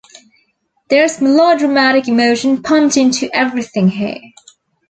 There's melodramatic emotion pumped into everything here.